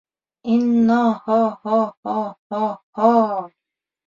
— Инно-һо-һо-һо-һо-һо!